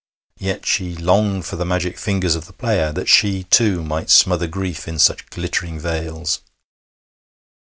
Yet she longed for the magic fingers of the player, that she, too, might smother grief in such glittering veils!